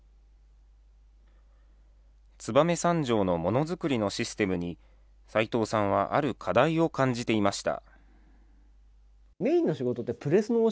燕三条のものづくりのシステムに、齋藤さんはある課題を感じていました。